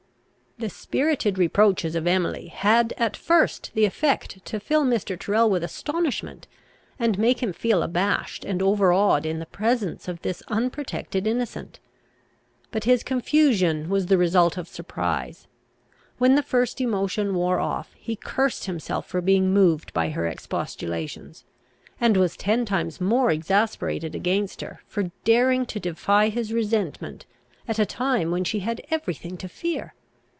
The spirited reproaches of Emily had at first the effect to fill Mr. Tyrrel with astonishment, and make him feel abashed and overawed in the presence of this unprotected innocent. But his confusion was the result of surprise. When the first emotion wore off, he cursed himself for being moved by her expostulations; and was ten times more exasperated against her, for daring to defy his resentment at a time when she had every thing to fear.